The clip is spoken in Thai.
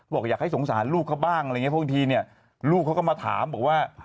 บอกว่าอยากให้สงสารลูกเขาบ้างพบทีลูกเขาก็มาถามบอกว่า